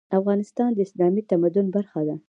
افغانستان د اسلامي تمدن برخه ده.